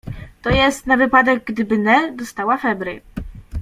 To jest na wypadek, gdyby Nel dostała febry.